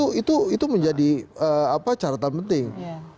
jadi memang itu menjadi caratan penting